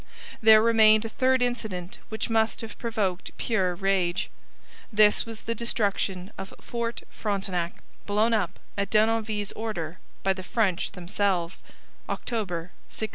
There remained a third incident which must have provoked pure rage. This was the destruction of Fort Frontenac, blown up, at Denonville's order, by the French themselves (October 1689).